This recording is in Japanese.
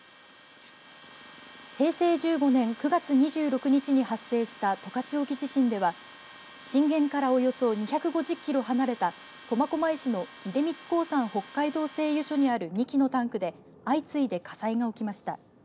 平成１５年９月２６日に発生した十勝沖地震では震源からおよそ２５０キロ離れた苫小牧市の出光興産北海道製油所にある２基のタンクで相次いで火災が起きました。